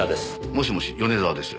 もしもし米沢です。